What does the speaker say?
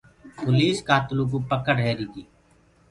پوليس ڪآتلو ڪوُ پَڪڙ رهيري تي۔